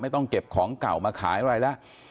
ต้องเก็บของเก่ามาขายอะไรแล้ว